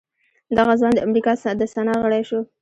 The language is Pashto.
دغه ځوان د امريکا د سنا غړی شو.